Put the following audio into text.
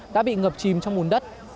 đã bị ngập chìm trong nguồn đất